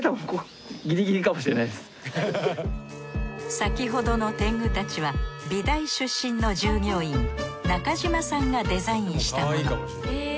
先ほどの天狗たちは美大出身の従業員中島さんがデザインしたもの。